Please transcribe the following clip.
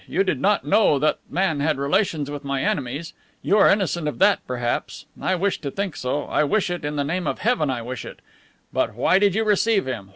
You did not know that man had relations with my enemies. You are innocent of that, perhaps. I wish to think so. I wish it, in the name of Heaven I wish it. But why did you receive him?